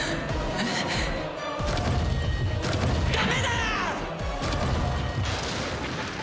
ダメだ！！